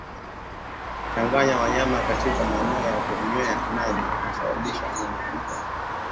Kuchanganya wanyama katika maeneo ya kunywea maji husababisha homa ya mapafu